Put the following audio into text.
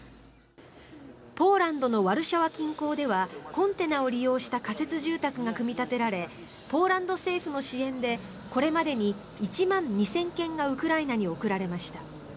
ポーランドのワルシャワ近郊ではコンテナを利用した仮設住宅が組み立てられポーランド政府の支援でこれまでに１万２０００軒がウクライナに送られました。